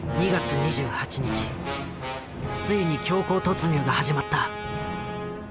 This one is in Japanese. ついに強行突入が始まった。